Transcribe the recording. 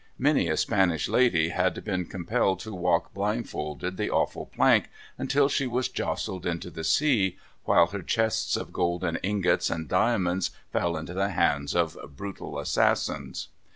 Many a Spanish lady had been compelled to walk blindfolded the awful plank, until she was jostled into the sea, while her chests of golden ingots and diamonds fell into the hands of brutal assassins.